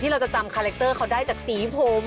เราจะจำคาแรคเตอร์เขาได้จากสีผม